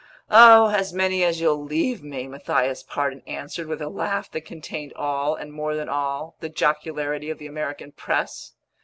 "Oh, as many as you'll leave me!" Matthias Pardon answered, with a laugh that contained all, and more than all, the jocularity of the American press.